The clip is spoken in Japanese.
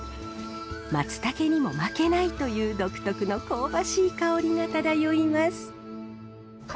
マツタケにも負けないという独特の香ばしい香りが漂います。